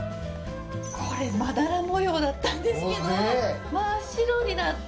これまだら模様だったんですけど真っ白になって。